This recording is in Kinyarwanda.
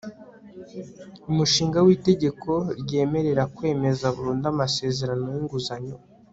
umushinga w'itegeko ryemerera kwemeza burundu amasezerano y'inguzanyo